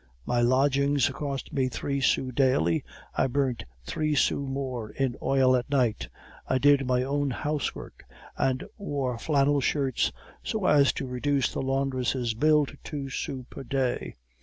My lodgings cost me three sous daily; I burnt three sous more in oil at night; I did my own housework, and wore flannel shirts so as to reduce the laundress' bill to two sous per day.